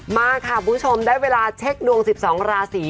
มาค่ะคุณผู้ชมได้เวลาเช็คดวง๑๒ราศี